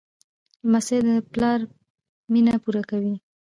لمسی د پلار مینه پوره کوي.